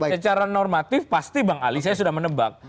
secara normatif pasti bang ali saya sudah menebak